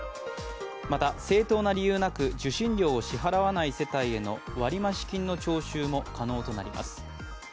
また正当な理由なく受信料を支払わない世帯への割増金の徴収も可能となります。